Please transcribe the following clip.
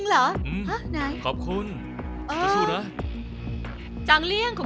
ไม่ขึ้นไหมคุณใหญ่เนี่ยแล้วอ่ะ